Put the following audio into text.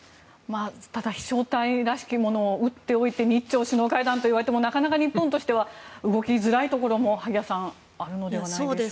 ただ、飛翔体らしきものを撃っておいて日朝首脳会談と言われてもなかなか日本としては動きづらいところも、萩谷さんあるのではないでしょうか。